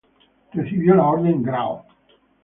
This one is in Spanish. Recibió la Orden "Gral.